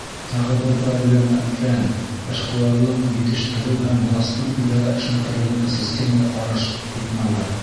Тағы бер проблема — фән, эшҡыуарлыҡ, етештереү һәм властың үҙ-ара эшмәкәрлегенә системалы ҡараш етмәүе.